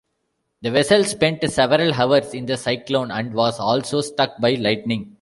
The vessel spent several hours in the cyclone and was also struck by lightning.